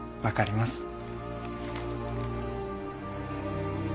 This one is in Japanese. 分かります。